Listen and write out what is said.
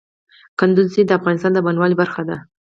کندز سیند د افغانستان د بڼوالۍ برخه ده.